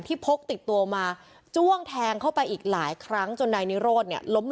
โดดผู้ตายพลาดท่าลมลงไปนายแสงได้ทีนะคะค